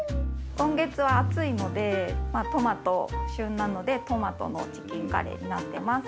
今月は暑いのでトマト旬なのでトマトのチキンカレーになってます。